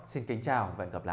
xin kính chào và hẹn gặp lại